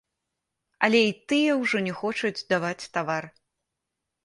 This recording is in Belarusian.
Але і тыя ўжо не хочуць даваць тавар.